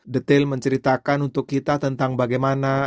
detail menceritakan untuk kita tentang bagaimana